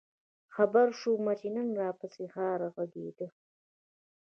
خبـــــر شومه چې نن راپســـې ښار غـــــږېده؟